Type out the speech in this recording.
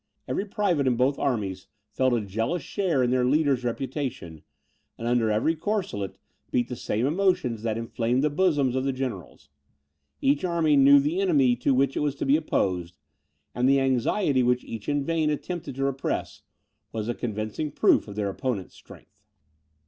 Every private in both armies, felt a jealous share in their leader's reputation, and under every corslet beat the same emotions that inflamed the bosoms of the generals. Each army knew the enemy to which it was to be opposed: and the anxiety which each in vain attempted to repress, was a convincing proof of their opponent's strength.